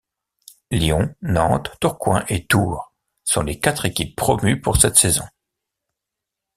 Lyon, Nantes, Tourcoing et Tours sont les quatre équipes promues pour cette saison.